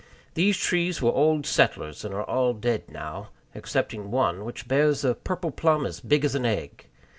These trees were old settlers, and are all dead now, excepting one, which bears a purple plum as big as an egg.